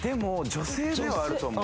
女性ではあると思う